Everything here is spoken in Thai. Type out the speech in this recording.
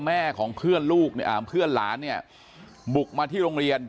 แม่ของเพื่อนลูกเพื่อนหลานเนี่ยบุกมาที่โรงเรียน